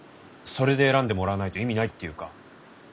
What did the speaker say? それで選んでもらわないと意味ないっていうか。